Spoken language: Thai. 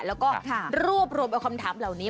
แล้วก็รวบรวมเอาคำถามเหล่านี้